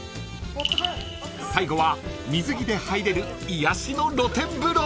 ［最後は水着で入れる癒やしの露天風呂］